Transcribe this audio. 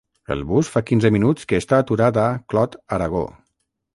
El bus fa quinze minuts que està aturat a Clot-Aragó.